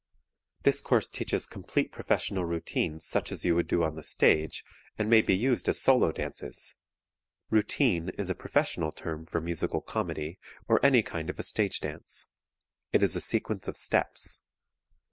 This course teaches complete professional routines such as you would do on the stage, and may be used as solo dances. "Routine" is a professional term for musical comedy or any kind of a stage dance. It is a sequence of steps.